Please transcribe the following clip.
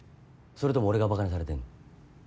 それとも俺がばかにされてんの？